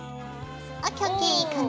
ＯＫＯＫいい感じ。